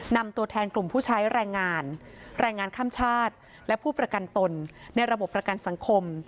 นำตัวแทนกลุ่มผู้ใช้แรงงานแรงงานข้ามชาติและผู้ประกันตนในระบบประกันสังคม